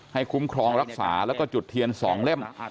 คุ้มครองรักษาแล้วก็จุดเทียน๒เล่ม